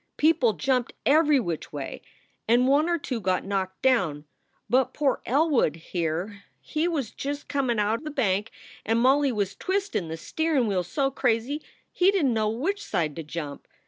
People jumped every which way, and one or two got knocked down, but poor Elwood here, he was just comin out the bank, and Molly was twistin the steerin wheel so crazy he didn t know which side to jump.